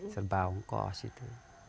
serbaung kos itu